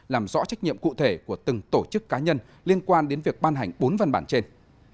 làm rõ trách nhiệm cụ thể của từng tổ chức cá nhân liên quan đến việc ban hành bốn văn bản trên